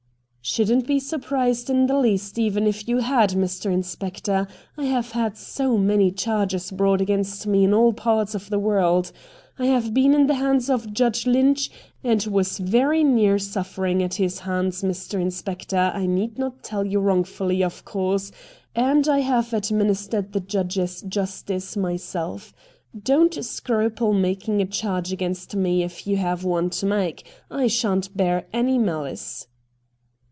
' Shouldn't be surprised in the least even if you had, Mr. Inspector ; I have had so many charges brought against me in all parts of the world. I have been in the hands of Judge Lynch, and was very near suffering at his hands, Mr. Inspector — I need not tell you wrongfully, of course — and I have ad ministered the Judge's justice myself Don't scruple making a charge against me if you have one to make. I shan't bear any malice.'